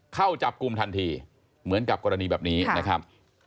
เข้าจับกลุ่มทันทีเหมือนกับกรณีแบบนี้นะครับ